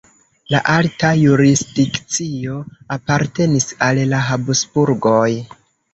La alta jurisdikcio apartenis al la Habsburgoj.